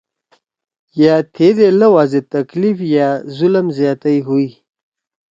یأ تھیِدے لؤا زیت تکلیف یأ ظلم زیاتئ ھوئی ۔